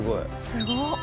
すごっ。